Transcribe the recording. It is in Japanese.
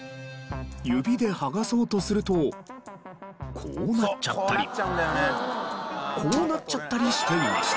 指で剥がそうとするとこうなっちゃったりこうなっちゃったりしていました。